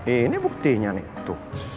ini buktinya nih tuh